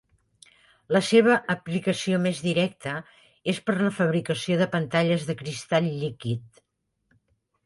La seua aplicació més directa és per a la fabricació de pantalles de cristall líquid.